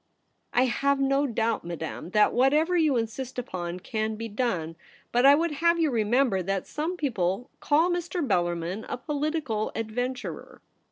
' I have no doubt, Madame, that whatever you insist upon can be done. But I would have you remember that some people call Mr. Bellarmin a political adventurer.'